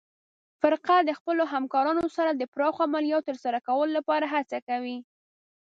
فرقه د خپلو همکارانو سره د پراخو عملیاتو ترسره کولو لپاره هڅه کوي.